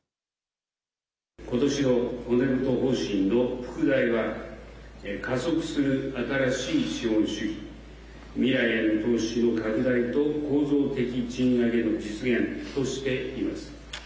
ことしの骨太方針の副題は、加速する新しい資本主義、未来への投資の拡大と、構造的賃上げの実現としています。